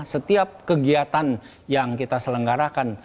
setiap kegiatan yang kita selenggarakan